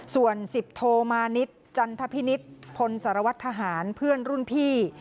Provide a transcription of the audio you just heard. ส่วน๑๐โทมานิดจันทพินิษฐ์พลสารวัตรทหารเพื่อนรุ่นพี่